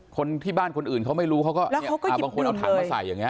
คนที่บ้านคนอื่นเขาไม่รู้เขาก็บางคนเอาถังมาใส่อย่างนี้